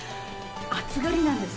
暑がりなんです。